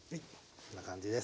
こんな感じです。